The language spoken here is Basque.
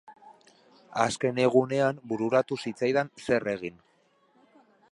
Azken egunean bururatu zitzaidan zer egin.